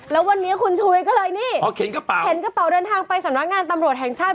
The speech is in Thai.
แล้ววันนี้คุณชุยก็เลยนี่เข็นกระเป๋าเดินทางไปสนับงานตำรวจแห่งชาติ